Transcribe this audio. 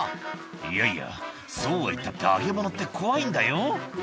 「いやいやそうは言ったって揚げ物って怖いんだよ」